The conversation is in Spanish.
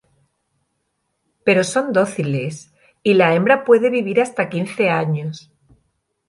Pero son dóciles, y la hembra puede vivir hasta quince años.